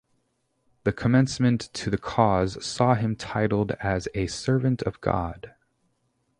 The commencement to the cause saw him titled as a Servant of God.